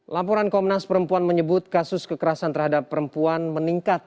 laporan komnas perempuan menyebut kasus kekerasan terhadap perempuan meningkat